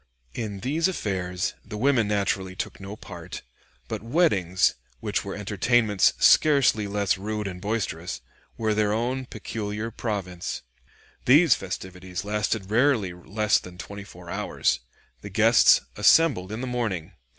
In these affairs the women naturally took no part; but weddings, which were entertainments scarcely less rude and boisterous, were their own peculiar province. These festivities lasted rarely less than twenty four hours. The guests assembled in the morning.